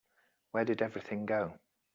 Where did everything go?